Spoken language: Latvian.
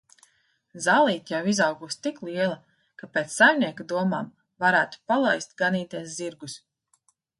Zālīte jau izaugusi tik liela, ka pēc saimnieka domām varētu palaist ganīties zirgus.